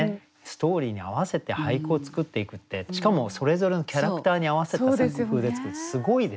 ストーリーに合わせて俳句を作っていくってしかもそれぞれのキャラクターに合わせた作風で作るってすごいですよね。